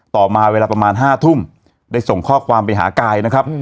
ต่อมาเวลาประมาณ๕ทุ่มได้ส่งข้อความไปหากายนะครับ